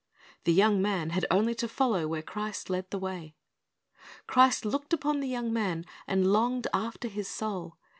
"'* The young man had only to follow where Christ led the way. Christ looked upon the young man, and longed after his soul.